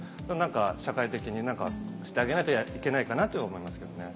社会的に何かしてあげないといけないかなって思いますけどね。